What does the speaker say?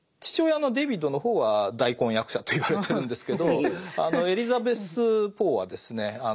父親のデビッドの方は大根役者といわれてるんですけどエリザベス・ポーはですね